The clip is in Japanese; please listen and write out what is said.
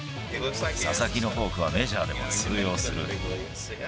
佐々木のフォークはメジャーでも通用する。